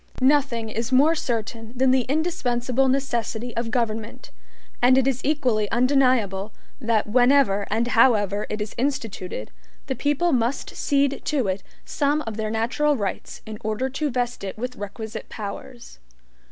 Nothing is more certain than the indispensable necessity of government, and it is equally undeniable, that whenever and however it is instituted, the people must cede to it some of their natural rights in order to vest it with requisite powers.